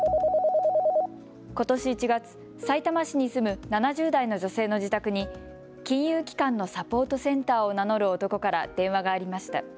ことし１月、さいたま市に住む７０代の女性の自宅に金融機関のサポートセンターを名乗る男から電話がありました。